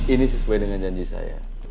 ini sesuai dengan janji saya